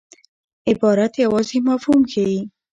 عبارت یوازي مفهوم ښيي.